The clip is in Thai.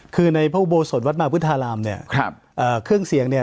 คือในพระอุโบสถวัดมาพุทธารามเนี่ยครับเครื่องเสียงเนี่ย